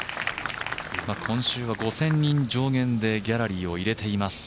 今週は５０００人上限でギャラリーを入れています。